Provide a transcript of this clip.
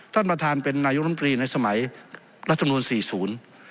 ท่านประธานเป็นนายุคล้นตรีในสมัยรัฐนวล๔๐